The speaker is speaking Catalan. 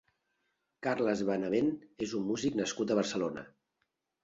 Carles Benavent és un músic nascut a Barcelona.